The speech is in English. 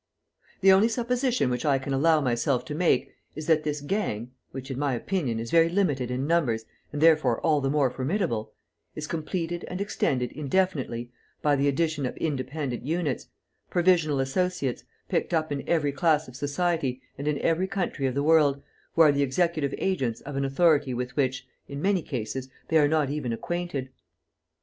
The only supposition which I can allow myself to make is that this gang, which, in my opinion, is very limited in numbers and therefore all the more formidable, is completed and extended indefinitely by the addition of independent units, provisional associates, picked up in every class of society and in every country of the world, who are the executive agents of an authority with which, in many cases, they are not even acquainted.